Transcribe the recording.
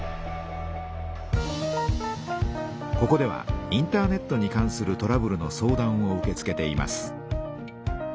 ここではインターネットに関するトラブルの相談を受け付けています。